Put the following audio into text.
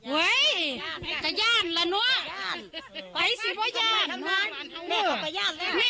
เฮ้ยก็ย่านล่ะเนอะไอ้สิข้าย่านน้อย